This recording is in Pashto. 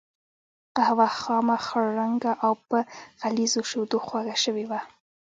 قهوه خامه، خړ رنګه او په غليظو شیدو خوږه شوې وه.